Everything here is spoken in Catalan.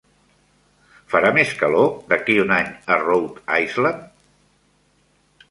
farà més calor d'aquí un any a Rhode Island?